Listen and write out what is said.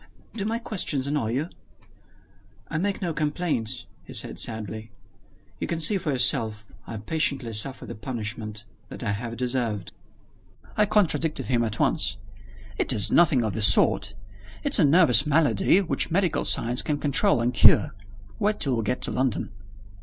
"Do my questions annoy you?" "I make no complaint," he said sadly. "You can see for yourself I patiently suffer the punishment that I have deserved." I contradicted him at once. "It is nothing of the sort! It's a nervous malady, which medical science can control and cure. Wait till we get to London."